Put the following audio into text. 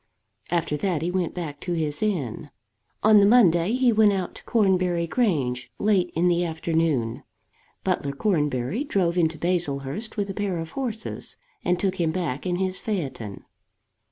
After that he went back to his inn. On the Monday he went out to Cornbury Grange late in the afternoon. Butler Cornbury drove into Baslehurst with a pair of horses, and took him back in his phaeton.